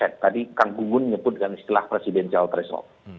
tadi kang bungun menyebutkan istilah presiden caldresol